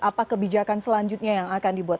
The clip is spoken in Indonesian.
apa kebijakan selanjutnya yang akan dibuat